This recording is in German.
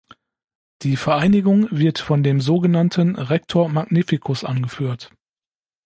Die Vereinigung wird von dem sogenannten „Rector magnificus“ angeführt.